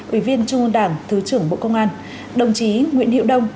ủy viên trung ương đảng thứ trưởng bộ công an đồng chí nguyễn hiệu đông